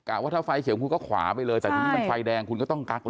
ว่าถ้าไฟเขียวคุณก็ขวาไปเลยแต่ทีนี้มันไฟแดงคุณก็ต้องกักแล้ว